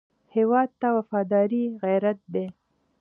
هېواد ته وفاداري غیرت دی